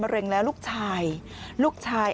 เร็งแล้วลูกชายลูกชาย